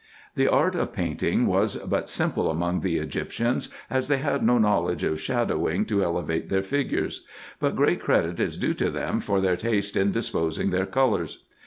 The art of painting was but simple among the Egyptians, as thev had no knowledge of shadowing to elevate their figures ; but ^reat credit is due to them for their taste in disposing their colours.